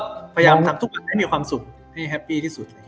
พยายามทำให้มีความสุขให้แฮปปี้ที่สุด